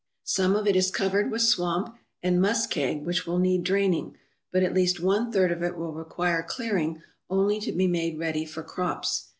Some of it is covered with swamp and muskeg which will need draining, but at least one third of it will require clearing only to be made ready for crops.